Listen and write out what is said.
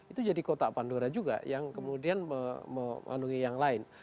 itu jadi kotak pandora juga yang kemudian memandungi yang lain